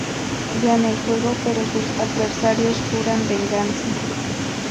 Gana el juego, pero sus adversarios juran venganza.